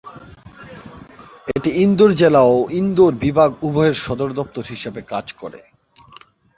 এটি ইন্দোর জেলা ও ইন্দোর বিভাগ উভয়ের সদর দফতর হিসাবে কাজ করে।